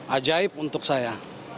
ajaib untuk saya